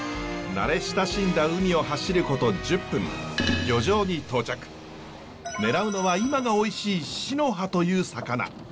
慣れ親しんだ海を走ること１０分狙うのは今がおいしいシノハという魚。